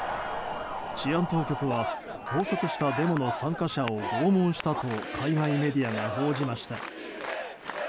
治安当局は拘束したデモの参加者を拷問したと海外メディアが報じました。